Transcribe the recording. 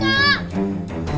ya aku mau makan